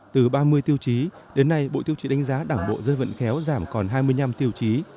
từ ba mươi tiêu chí đến nay bộ tiêu trị đánh giá đảng bộ dân vận khéo giảm còn hai mươi năm tiêu chí